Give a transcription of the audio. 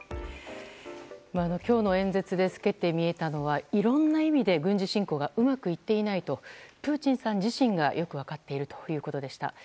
今日の演説で透けて見えたのはいろんな意味で、軍事侵攻がうまくいっていないとプーチン大統領自身がよく分かっているということでした。